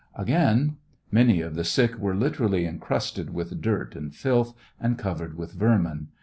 Again : Many of the sick were literally incrusted with dirt and filth, and covered with vermin.